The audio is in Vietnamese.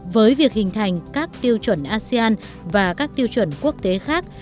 với việc hình thành các tiêu chuẩn asean và các tiêu chuẩn quốc tế khác